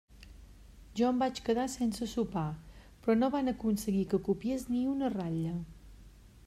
Jo em vaig quedar sense sopar, però no van aconseguir que copiés ni una ratlla.